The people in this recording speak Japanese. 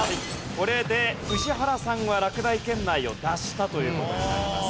これで宇治原さんは落第圏内を脱したという事になります。